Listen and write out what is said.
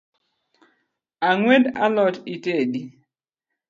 Ang’wed a lot itedi?